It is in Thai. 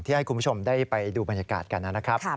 ให้คุณผู้ชมได้ไปดูบรรยากาศกันนะครับ